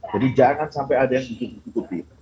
jadi jangan sampai ada yang ikuti ikuti